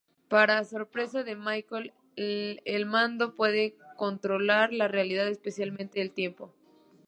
Para sorpresa de Michael, el mando puede controlar la realidad, especialmente el tiempo.